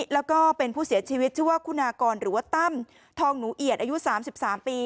แล้วก็เป็นผู้เสียชีวิตชื่อว่าคุณากรหรือว่าตั้มทองหนูเอียดอายุ๓๓ปี